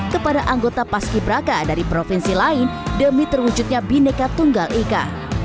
kepada anggota paski braka dari provinsi lain demi terwujudnya bineka tunggal ika